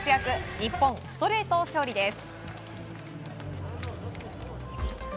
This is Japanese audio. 日本、ストレート勝利です。